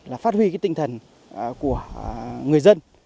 là phát huy cái tinh thần của người dân